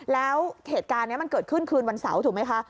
แล้วเหตุการณ์นี้มันเกิดขึ้นคืนวันเสาร์ถูกไหมคะ